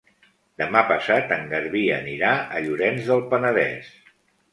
Demà passat en Garbí anirà a Llorenç del Penedès.